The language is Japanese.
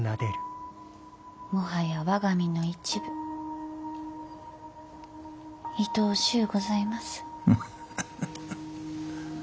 もはや我が身の一部いとおしうございます。